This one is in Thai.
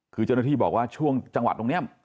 คือเจ้าหน้าที่บอกว่าช่วงจังหวัดตรงนี้